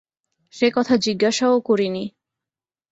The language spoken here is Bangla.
সে কথা জিজ্ঞাসাও করি নি।